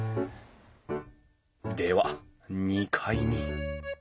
では２階に。